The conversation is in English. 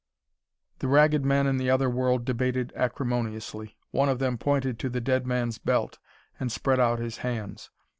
The Ragged Men in the other world debated acrimoniously. One of them pointed to the dead man's belt, and spread out his hands.